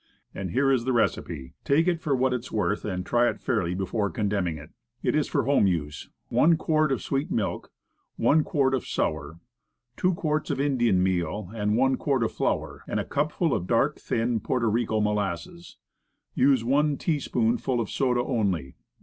And here is the recipe; take it for what it is worth, and try it fairly before condemning it. It is for home use : One quart of sweet milk, one quart of sour, two quarts of Indian meal and one quart of flour, and a cupful of dark, thin Porto Rico molasses. Use one tea spoonful of soda only.